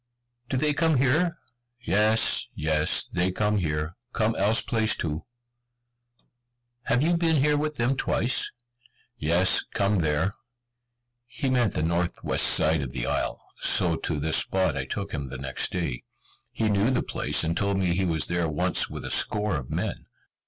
"Do they come here?" "Yes, yes, they come here, come else place too." "Have you been here with them twice?" "Yes, come there." He meant the North West side of the isle, so to this spot I took him the next day. He knew the place, and told me he was there once with a score of men.